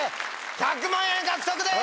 １００万円獲得です！